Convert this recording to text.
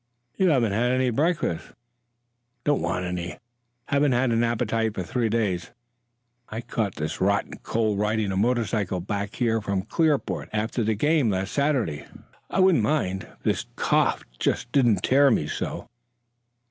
"You haven't had any breakfast." "Don't want any. Haven't had an appetite for three days. I caught this rotten cold riding a motorcycle back here from Clearport after the game last Saturday. I wouldn't mind if this cough didn't tear me so."